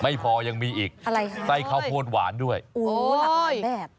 ไม่พอยังมีอีกอะไรฮะไส้ข้าวโพดหวานด้วยโอ้หลากหลายแบบ